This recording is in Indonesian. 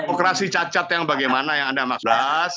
demokrasi cacat yang bagaimana yang anda maksudkan